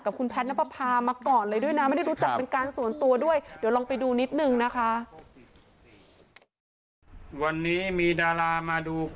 กับคุณแพทย์น้าปรามาก่อนเลยด้วยนะอ่าไม่ได้รู้จักเป็นการส่วนตัวด้วย